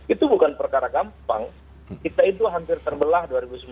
itu bukan perkara gampang kita itu hampir terbelah dua ribu sembilan belas